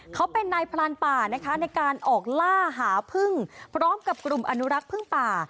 เขาเป็นนายพรานป่านะคะในการออกล่าหาพึ่งพร้อมกับกลุ่มอนุรักษ์พึ่งป่า